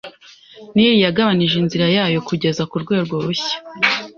Nili yagabanije inzira yayo kugeza kurwego rushya